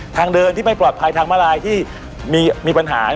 ทางเดินที่ไม่ปลอดภัยทางมาลายที่มีปัญหา